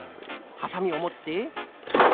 はさみをもって。